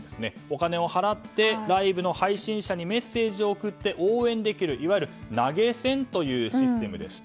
お金を払ってライブの配信者にメッセージを送って、応援できるいわゆる投げ銭というシステム。